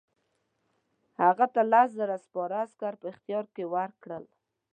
هغه ته لس زره سپاره عسکر په اختیار کې ورکړل.